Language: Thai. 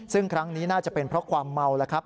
ซึ่งครั้งนี้น่าจะเป็นเพราะความเมาแล้วครับ